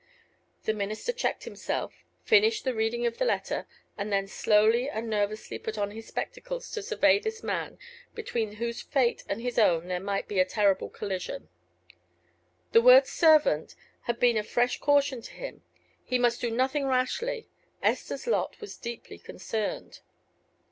The minister checked himself, finished the reading of the letter, and then slowly and nervously put on his spectacles to survey this man, between whose fate and his own there might be a terrible collision. The word "servant" had been a fresh caution to him. He must do nothing rashly. Esther's lot was deeply concerned.